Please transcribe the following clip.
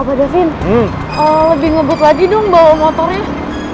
opa davin lebih ngebut lagi dong bawa motornya